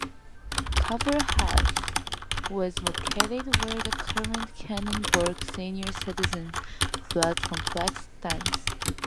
"Cabragh House" was located where the current Canon Burke Senior Citizens Flats complex stands.